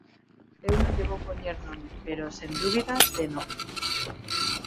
Eu non lle vou poñer nome pero, sen dúbida, teno.